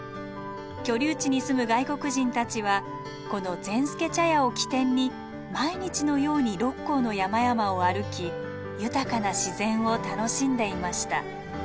居留地に住む外国人たちはこの善助茶屋を起点に毎日のように六甲の山々を歩き豊かな自然を楽しんでいました。